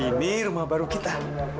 ini rumah baru kita